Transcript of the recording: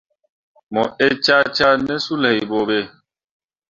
Mu ee cah cah ne suley boɓe.